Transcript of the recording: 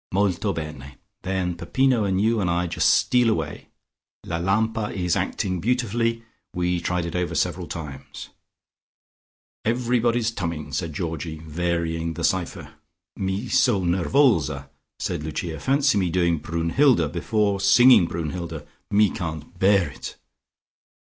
"Molto bene. Then Peppino and you and I just steal away. La lampa is acting beautifully. We tried it over several times." "Everybody's tummin'," said Georgie, varying the cipher. "Me so nervosa!" said Lucia. "Fancy me doing Brunnhilde before singing Brunnhilde. Me can't bear it."